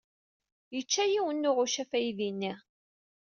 Yečča yiwen n uɣucaf aydi-nni.